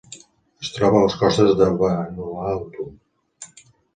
Es troba a les costes de Vanuatu.